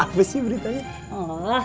apa sih beritanya